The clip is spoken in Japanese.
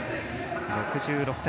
６６点。